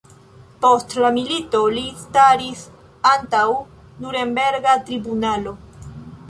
Post la milito li staris antaŭ Nurenberga tribunalo.